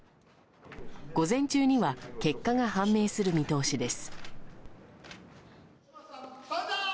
午前中には結果が判明する見通しです。